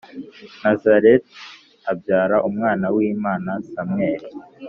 nazareti abyara umwana w’imana. samweri